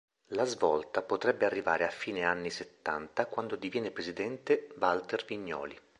La svolta potrebbe arrivare a fine anni settanta quando diviene presidente Walter Vignoli.